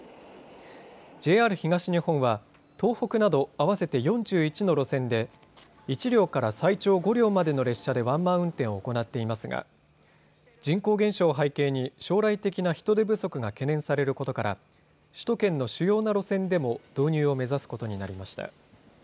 ＪＲ東日本は東北など合わせて４１の路線で１両から最長５両までの列車でワンマン運転を行っていますが人口減少を背景に将来的な人手不足が懸念されることから首都圏の主要な路線でも導入を目指すことになりました。